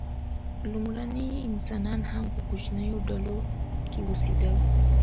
لومړني انسانان هم په کوچنیو ډلو کې اوسېدل.